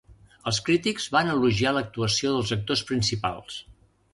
Els crítics van elogiar l'actuació dels actors principals.